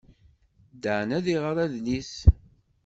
Dan ad iɣer adlis.